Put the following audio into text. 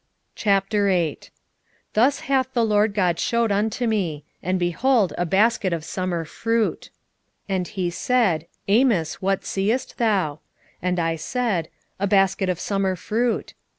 8:1 Thus hath the Lord GOD shewed unto me: and behold a basket of summer fruit. 8:2 And he said, Amos, what seest thou? And I said, A basket of summer fruit.